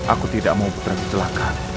aku tidak mau berjalan kecelakaan